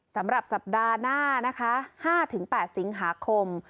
สำหรับสัปดาห์หน้านะคะ๕๘สิงหาคม